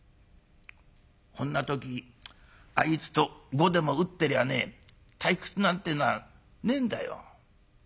こんな時あいつと碁でも打ってりゃあね退屈なんてえのはねえんだよ。